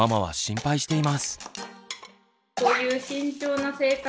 はい。